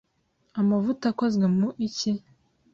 Amavuta akozwe mu iki?